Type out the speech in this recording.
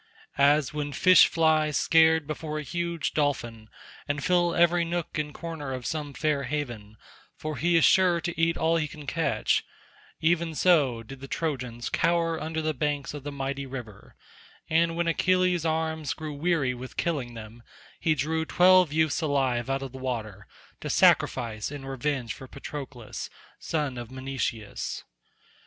As when fish fly scared before a huge dolphin, and fill every nook and corner of some fair haven—for he is sure to eat all he can catch—even so did the Trojans cower under the banks of the mighty river, and when Achilles' arms grew weary with killing them, he drew twelve youths alive out of the water, to sacrifice in revenge for Patroclus son of Menoetius.